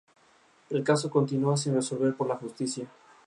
La aleta dorsal se desarrolla luego.